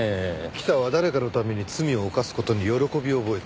北は誰かのために罪を犯す事に喜びを覚えている。